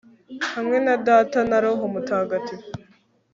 hamwe na data na roho mutagatifu